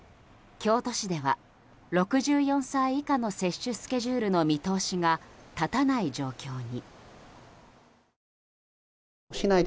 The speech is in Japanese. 京都市では６４歳以下の接種スケジュールの見通しが立たない状況に。